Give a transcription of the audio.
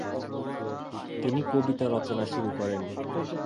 তিনি কবিতা রচনা শুরু করেন।